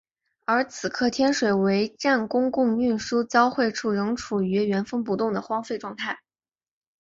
而此刻天水围站公共运输交汇处仍处于原封不动的荒废状态。